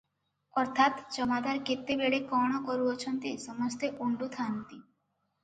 ଅର୍ଥାତ୍ ଜମାଦାର କେତେବେଳେ କଣ କରୁ ଅଛନ୍ତି ସମସ୍ତେ ଉଣ୍ଡୁ ଥାଆନ୍ତି